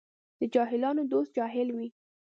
د جاهلانو دوست جاهل وي.